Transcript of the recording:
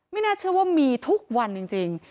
น่าเชื่อว่ามีทุกวันจริง